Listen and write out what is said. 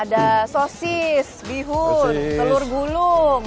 ada sosis bihun telur gulung